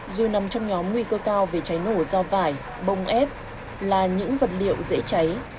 dù nằm trong nhóm nguy cơ cao về cháy nổ do vải bông ép là những vật liệu dễ cháy